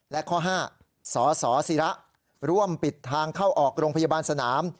และข้อ๕สสิระร่วมปิดทางเข้าออกโรงพยาบาลสนาม